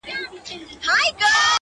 o سپوږميه کړنگ وهه راخېژه وايم ـ